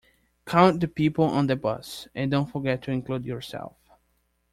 Count the people on the bus, and don't forget to include yourself.